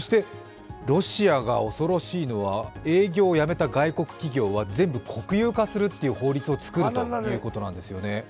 ロシアが恐ろしいのは営業をやめた外国企業は国有化するという法律を作るということなんですね。